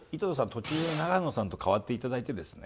途中で永野さんと替わって頂いてですね